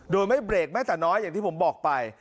โดยไม่เบรกไม่แต่น้อยอย่างที่ผมบอกไป